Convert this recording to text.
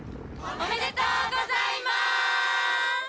おめでとうございます。